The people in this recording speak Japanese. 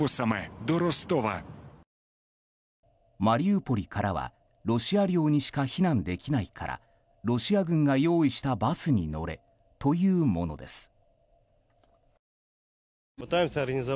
マリウポリからはロシア領にしか避難できないからロシア軍が用意したバスに乗れというものです。